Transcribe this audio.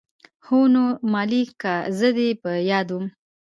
هو نو مالې که زه دې په ياده وم.